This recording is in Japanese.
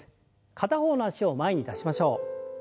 片方の脚を前に出しましょう。